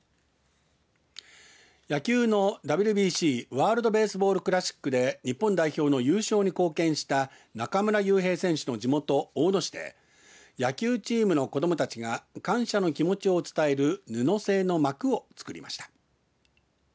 野球のＷＢＣワールド・ベースボール・クラシックで日本代表の優勝に貢献した中村悠平選手の地元、大野市で野球チームの子どもたちが感謝の気持ちを伝える布製の幕を作りました。